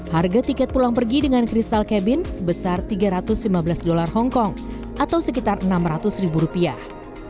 harga tiket pulang pergi dengan kristal cabin sebesar tiga ratus lima belas dolar hongkong atau sekitar enam ratus ribu rupiah